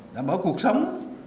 đảm bảo cuộc sống